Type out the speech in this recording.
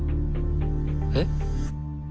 えっ？